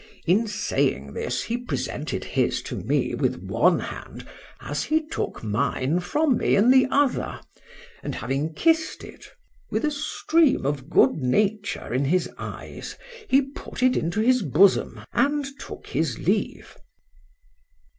—In saying this, he presented his to me with one hand, as he took mine from me in the other, and having kissed it,—with a stream of good nature in his eyes, he put it into his bosom,—and took his leave.